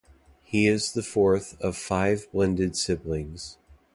He is the fourth of five blended siblings.